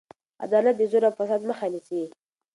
عدالت د زور او فساد مخه نیسي.